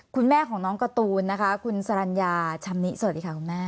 คุณแม่ของน้องการ์ตูนนะคะคุณสรรญาชำนิสวัสดีค่ะคุณแม่